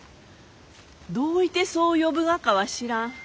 どういてそう呼ぶがかは知らん。